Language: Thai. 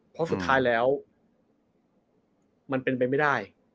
เพราะสุดท้ายแล้วมันเป็นไปไม่ได้